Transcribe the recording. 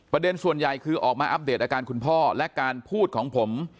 ส่วนใหญ่คือออกมาอัปเดตอาการคุณพ่อและการพูดของผม